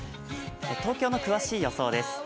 東京の詳しい予想です